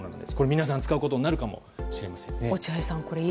皆さん使うことになるかもしれません。